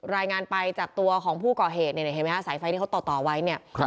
รายงานไปจากตัวของผู้ก่อเหตุเนี่ยเห็นไหมฮะสายไฟที่เขาต่อต่อไว้เนี่ย